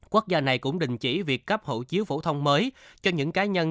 quốc gia này cũng đình chỉ việc cấp hộ chiếu phổ thông mới cho những cá nhân